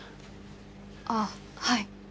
ああはい。